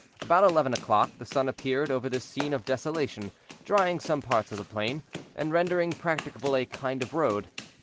About eleven o'clock the sun appeared over this scene of desolation, drying some parts of the plain, and rendering practicable a kind of road.